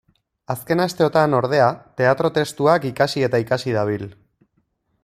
Azken asteotan, ordea, teatro-testuak ikasi eta ikasi dabil.